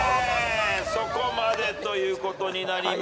そこまでということになりました。